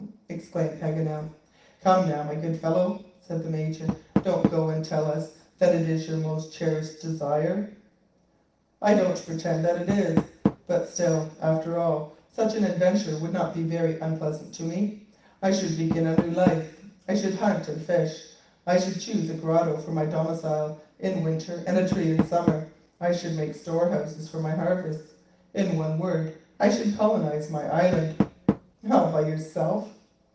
exclaimed Paganel. "Come now, my good fellow," said the Major, "don't go and tell us that it is your most cherished desire." "I don't pretend it is that, but still, after all, such an adventure would not be very unpleasant to me. I should begin a new life; I should hunt and fish; I should choose a grotto for my domicile in Winter and a tree in Summer. I should make storehouses for my harvests: in one word, I should colonize my island." "All by yourself?"